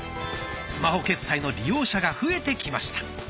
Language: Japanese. スマホ決済の利用者が増えてきました。